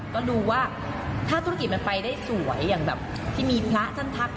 ก็ดูว่าถ้าธุรกิจมันไปได้สวยอย่างแบบที่มีพระท่านทัก